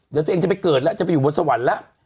เดี๋ยวตัวเองจะไปเกิดแล้วจะไปอยู่บนสวรรค์แล้ว